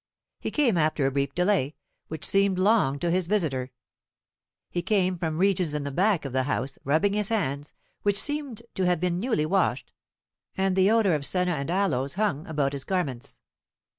He came after a brief delay, which seemed long to his visitor. He came from regions in the back of the house, rubbing his hands, which seemed to have been newly washed, and the odour of senna and aloes hung about his garments.